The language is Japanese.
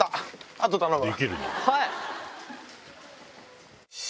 あと頼むわ。